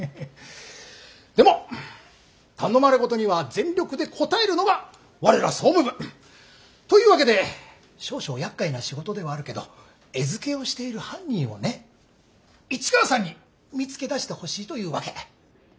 でも頼まれ事には全力で応えるのが我ら総務部。というわけで少々やっかいな仕事ではあるけど餌付けをしている犯人をね市川さんに見つけ出してほしいというわけ。